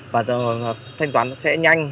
và thanh toán sẽ nhanh